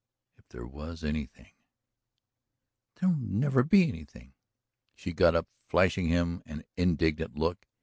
"If there was anything " "There'll never be anything!" She got up, flashing him an indignant look.